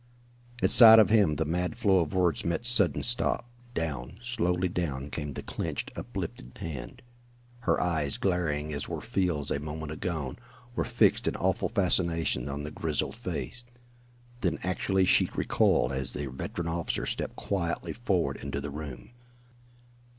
At sight of him the mad flow of words met sudden stop. Down, slowly down, came the clinched, uplifted hand. Her eyes, glaring as were Field's a moment agone, were fixed in awful fascination on the grizzled face. Then actually she recoiled as the veteran officer stepped quietly forward into the room.